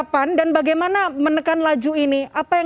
pan dan bagaimana menekan laju ini